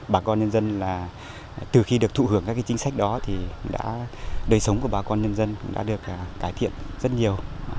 bà con nhân dân từ khi được thụ hưởng các chính sách đó đời sống của bà con nhân dân đã được cải thiện rất nhiều